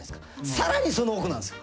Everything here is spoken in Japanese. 更にその奥なんですよ。